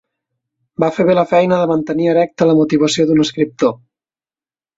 Va fer bé la feina de mantenir erecta la motivació d'un escriptor.